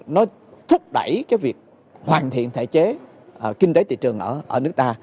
nó thúc đẩy cái việc hoàn thiện thể chế kinh tế thị trường ở nước ta